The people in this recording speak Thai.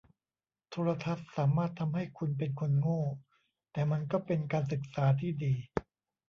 โทรทัศน์สามารถทำให้คุณเป็นคนโง่ แต่มันก็เป็นการศึกษาที่ดี